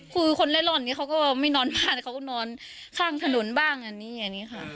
คือคนเล่นร่อนนี้เขาก็ไม่นอนบ้านเขาก็นอนข้างถนนบ้างอันนี้อย่างนี้ค่ะ